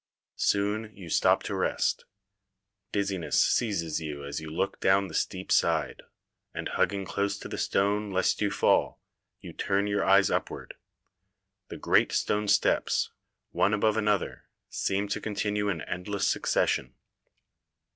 Soon you stop to rest. Dizziness seizes you as you look down the steep side, and hugging close to the stone lest you fall, you turn your eyes upward. The great stone steps, one above another, seem to continue in endless succession.